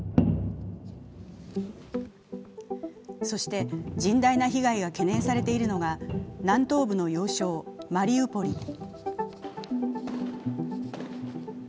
そして甚大な被害が懸念されているのが南東部の要衝マリウポリ。